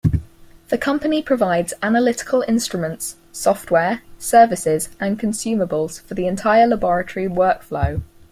The company provides analytical instruments, software, services and consumables for the entire laboratory workflow.